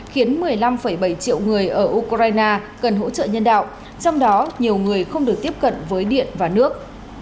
khiến một mươi năm bảy triệu người ở ukraine cần hỗ trợ nhân đạo trong đó nhiều người không được tiếp cận với điện và nước